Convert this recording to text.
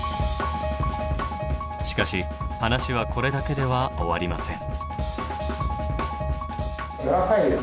しかし話はこれだけでは終わりません。